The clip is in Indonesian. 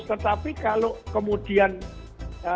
tetapi kalau kemudian channelnya tidak bisa memperbaiki